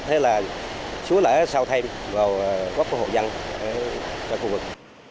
hay là xuống lở sau thêm vào góc của hộ dân trong khu vực